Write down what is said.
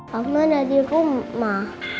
mama ada di rumah